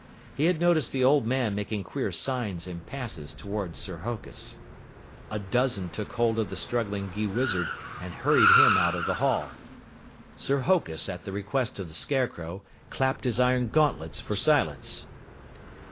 He had noticed the old man making queer signs and passes toward Sir Hokus. A dozen took hold of the struggling Gheewizard and hurried him out of the hall. Sir Hokus, at the request of the Scarecrow, clapped his iron gauntlets for silence.